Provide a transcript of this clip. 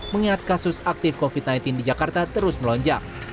mengingat kasus aktif covid sembilan belas di jakarta terus melonjak